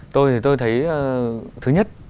tôi thì tôi thấy thứ nhất